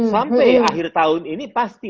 sampai akhir tahun ini pasti